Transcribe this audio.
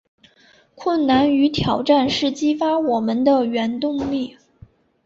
困难与挑战是激发我们的原动力